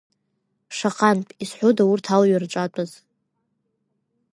Шаҟантә, изҳәода, урҭ алҩа рҿатәаз!